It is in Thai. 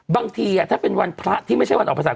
บางทีถ้าเป็นวันพระที่ไม่ใช่วันออกภาษา